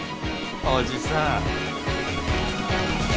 おじさん。